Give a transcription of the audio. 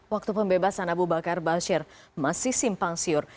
waktu pembebasan abu bakar bashir masih simpang siur